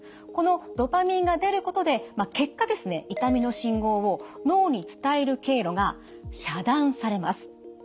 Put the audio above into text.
このドパミンが出ることで結果痛みの信号を脳に伝える経路が遮断されます。